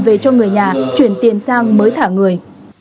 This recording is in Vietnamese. về cho người nhà chuyển tiền sang mới thả người